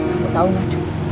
aku tau cuk